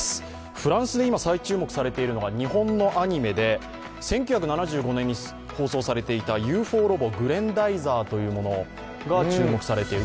フランスで今最中も再注目されているのが日本のアニメで、１９７５年に放送されていた「ＵＦＯロボグレンダイザー」というものが注目されている